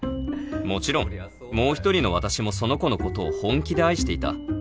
もちろんもう１人の私もその子のことを本気で愛していた